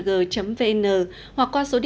xin chào tạm biệt và hẹn gặp lại